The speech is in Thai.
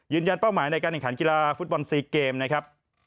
ยืนยันเป้าหมายในการเนินขันกีฬาฟุตบอลสี่เกมนะครับ